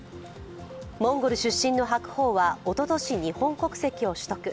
モンゴル出身の白鵬はおととし日本国籍を取得。